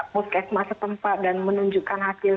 puskesma setempat dan menunjukkan hasil